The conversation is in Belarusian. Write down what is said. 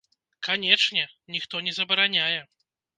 Канечне, ніхто не забараняе!